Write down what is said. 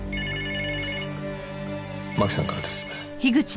真紀さんからです。